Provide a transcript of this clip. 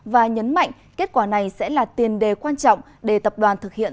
và nhấn mạnh kết quả này sẽ là tiền đề quan trọng để tập đoàn thực hiện